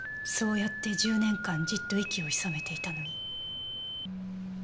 そうやって１０年間じっと息をひそめていたのに。